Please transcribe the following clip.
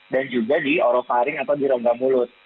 dan juga di oropharing atau di rongga mulut